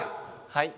はい。